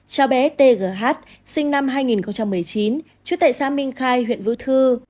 cha bé t g h sinh năm hai nghìn một mươi chín chứa tại xã minh khai huyện vũ thư